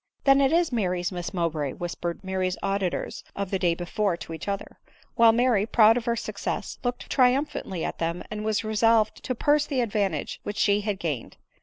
" Then it is Mary's Miss Mowbray," whispered Ma ry's auditors of the day before to each other ; while Mary, proud of her success, looked triumphantly at them, and was resolved to pursue the advantage which she had gained.